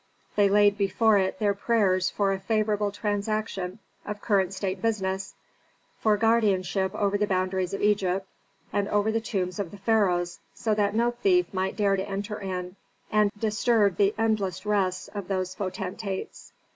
They laid before it their prayers for a favorable transaction of current state business, for guardianship over the boundaries of Egypt, and over the tombs of the pharaohs, so that no thief might dare to enter in and disturb the endless rest of those potentates.